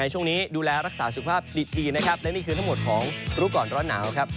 ช่วงนี้ดูแลรักษาสุขภาพดีนะครับและนี่คือทั้งหมดของรู้ก่อนร้อนหนาวครับ